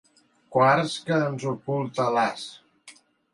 Quars que ens oculta l'as.